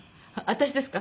私ですか？